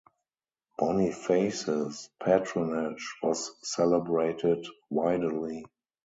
Boniface's patronage was celebrated widely.